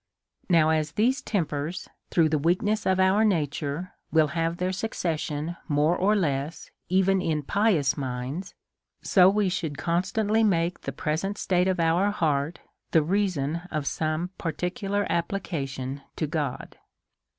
Now, as these tempers, through the weakness of our nature, will have their succession more or less even in pious minds, so we should constantly make the present state of our heart the reason of some par ticular application to God.